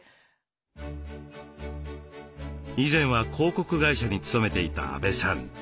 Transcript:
以前は広告会社に勤めていた阿部さん。